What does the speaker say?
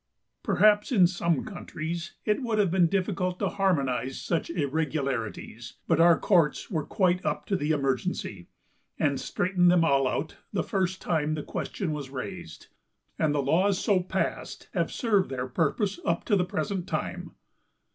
Perhaps in some countries it would have been difficult to harmonize such irregularities, but our courts were quite up to the emergency, and straightened them all out the first time the question was raised, and the laws so passed have served their purpose up to the present time.